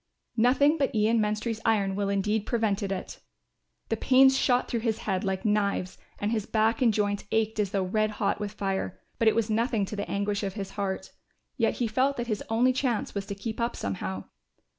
Nothing but Ian Menstrie's iron will indeed prevented it. The pains shot through his head like knives and his back and joints ached as though red hot with fire, but it was nothing to the anguish of his heart; yet he felt that his only chance was to keep up somehow.